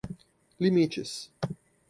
limites